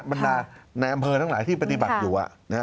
บรรดาในอำเภอทั้งหลายที่ปฏิบัติอยู่